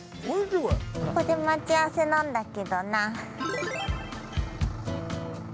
◆ここで待ち合わせなんだけどな。